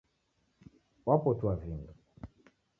Wapotua vindo